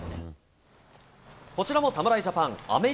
こちらも侍ジャパン、アメリ